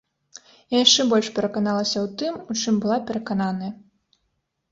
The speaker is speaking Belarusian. Я яшчэ больш пераканалася ў тым, у чым была перакананая.